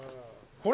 これ。